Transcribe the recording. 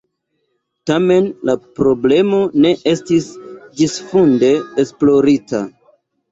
Tamen la problemo ne estis ĝisfunde esplorita.